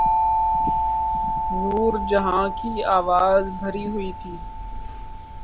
نور جہاں کی آواز بھری ہوئی تھی۔